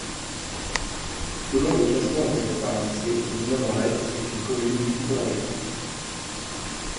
Selon le classement établi par l'Insee, Villeneuve-en-Retz est une commune multi polarisée.